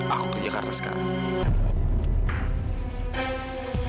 aku ke jakarta sekarang